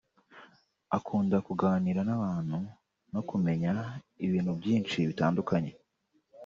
akunda kuganira n’abantu no kumenya ibintu byinshi bitandukanye